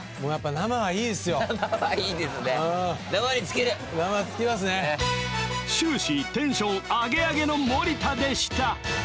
生に尽きますね終始テンションアゲアゲの森田でした！